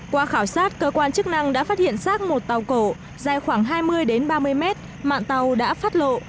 qua khảo sát cơ quan chức năng đã phát hiện xác một tàu cổ dài khoảng hai mươi ba mươi mét mạng tàu đã phát lộ